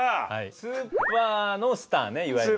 スーパーのスターねいわゆる。